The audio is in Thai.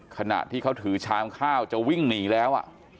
ขณะที่เขาถือชามข้าวจะวิ่งหนีแล้ว